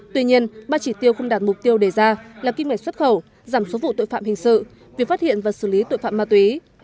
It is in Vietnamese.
tuy nhiên ba chỉ tiêu không đạt mục tiêu đề ra là kinh mệnh xuất khẩu giảm số vụ tội phạm hình sự việc phát hiện và xử lý tội phạm ma túy